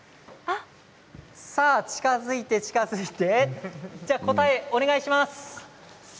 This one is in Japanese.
近づいて、近づいて答えをお願いします。